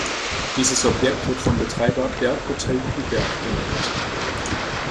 Dieses Objekt wird vom Betreiber "Berghotel Kuhberg" genannt.